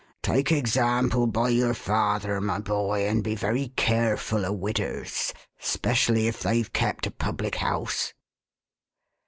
Take example by your father, my boy, and be very careful o' widders, 'specially if they've kept a public house."